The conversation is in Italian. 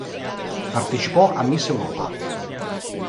Partecipò a Miss Europa.